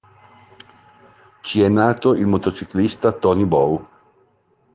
Ci è nato il motociclista Toni Bou.